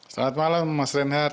selamat malam mas renhard